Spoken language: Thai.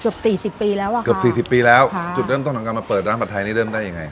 สี่สิบปีแล้วอ่ะเกือบสี่สิบปีแล้วค่ะจุดเริ่มต้นของการมาเปิดร้านผัดไทยนี่เริ่มได้ยังไง